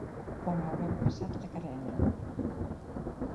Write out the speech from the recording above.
Quan haurem passat la carena.